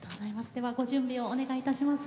ではご準備をお願いいたします。